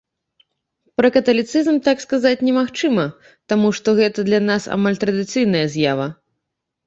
Пра каталіцызм так сказаць немагчыма, таму што гэта для нас амаль традыцыйная з'ява.